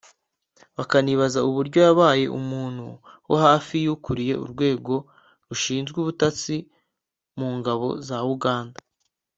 bakanibaza uburyo yabaye umuntu wo hafi y’ukuriye Urwego rushinzwe Ubutasi mu Ngabo za Uganda